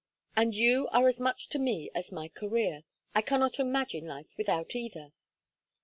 And you are as much to me as my career. I cannot imagine life without either."